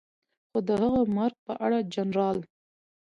خو د هغه مرګ په اړه جنرال